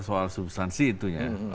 soal substansi itunya